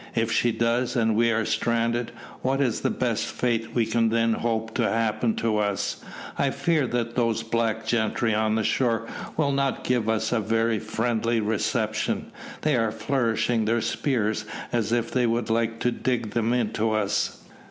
"If she does, and we are stranded, which is the best fate we can then hope to happen to us, I fear that those black gentry on the shore will not give us a very friendly reception. They are flourishing their spears as if they would like to dig them into us."